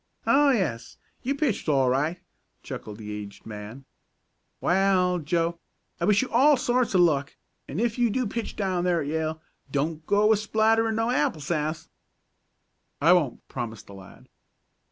"Oh, yes, you pitched all right," chuckled the aged man. "Wa'al, Joe, I wish you all sorts of luck, an' if you do pitch down there at Yale, don't go to splattering no apple sass!" "I won't," promised the lad.